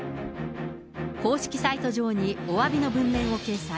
公式サイト上におわびの文面を掲載。